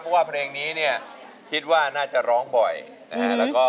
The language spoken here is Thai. เพราะว่าเพลงนี้เนี่ยคิดว่าน่าจะร้องบ่อยนะฮะ